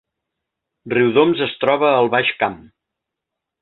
Riudoms es troba al Baix Camp